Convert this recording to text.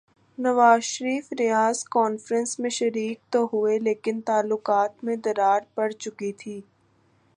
نواز Sharif Riyadh conference میں شریک تو ہوئے لیکن تعلقات میں دراڑ پڑ چکی تھی۔